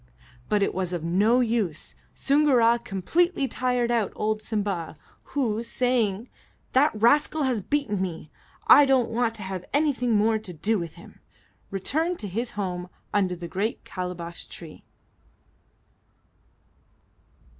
But it was of no use. Soongoora completely tired out old Simba, who, saying, "That rascal has beaten me; I don't want to have anything more to do with him," returned to his home under the great calabash tree.